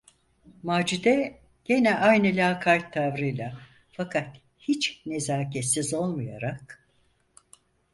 Macide, gene aynı lakayt tavrıyla, fakat hiç nezaketsiz olmayarak: